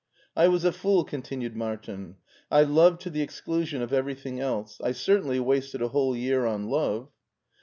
" I was a fool," continued Martin ;" I loved to the exclusion of everything else : I certainly wasted a whole year on love."